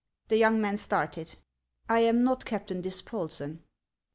The young man started. " I am not Captain Dispolsen."